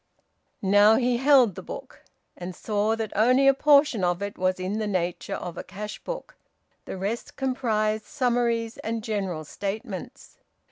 Now he held the book, and saw that only a portion of it was in the nature of a cash book; the rest comprised summaries and general statements.